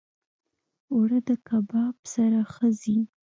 اوړه د کباب سره ښه ځي